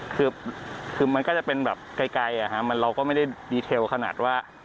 คือมันก็จะเป็นแบบไกลเราก็ไม่ได้ดีเทลขนาดว่า